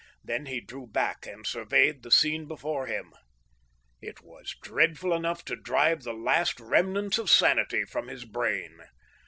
Then he drew back and surveyed the scene before him. It was dreadful enough to drive the last remnants of sanity from his brain.